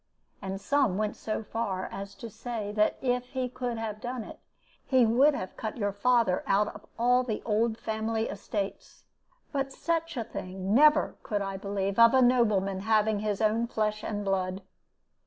And some went so far as to say that if he could have done it, he would have cut your father out of all the old family estates. But such a thing never could I believe of a nobleman having his own flesh and blood.